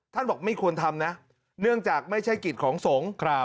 บอกไม่ควรทำนะเนื่องจากไม่ใช่กิจของสงฆ์